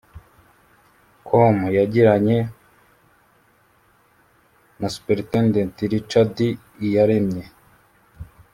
com yagiranye na Sup Richard Iyaremye